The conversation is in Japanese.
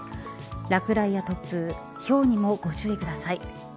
落雷や突風ひょうにもご注意ください。